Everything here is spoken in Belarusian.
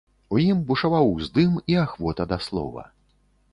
У ім бушаваў уздым і ахвота да слова.